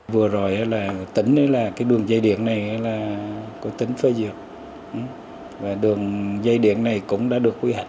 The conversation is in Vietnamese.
vừa rồi tỉnh đường dây điện này có tính phê dược và đường dây điện này cũng đã được quy hành